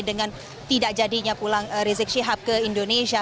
dengan tidak jadinya pulang rizik syihab ke indonesia